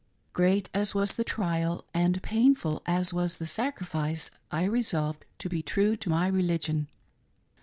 Great as was the trial, and painful as was the sacrifice, I resolved to be true to my religion.